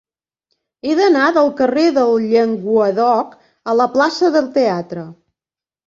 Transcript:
He d'anar del carrer del Llenguadoc a la plaça del Teatre.